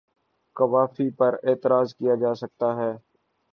قوافی پر اعتراض کیا جا سکتا ہے۔